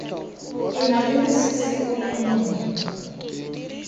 Ke na le mosese o le mongwe.